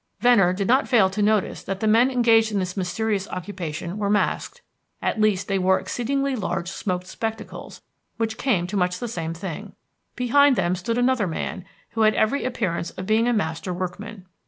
Venner did not fail to notice that the men engaged in this mysterious occupation were masked; at least, they wore exceedingly large smoked spectacles, which came to much the same thing. Behind them stood another man, who had every appearance of being a master workman.